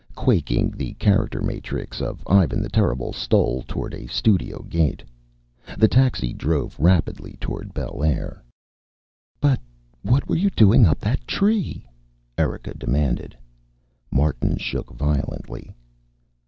Quaking, the character matrix of Ivan the Terrible stole toward a studio gate. The taxi drove rapidly toward Bel Air. "But what were you doing up that tree?" Erika demanded. Martin shook violently.